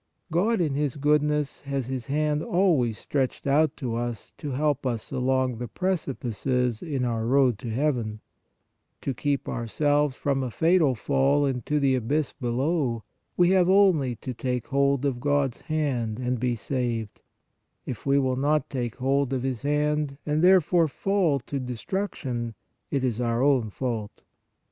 God in His goodness has His hand always stretched out to us to help us along the precipices in our road to heaven ; to keep ourselves from a fatal fall into the abyss below, we have only to take hold of God s hand and be saved; if we will not take hold of His hand, and therefore fall to destruction, it is our own fault.